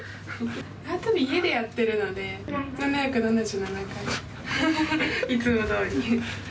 縄跳び家でやってるので、７７７回、いつもどおり。